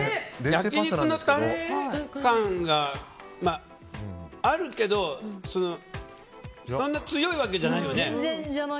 焼き肉のタレ感があるけどそんな強いわけじゃないよね。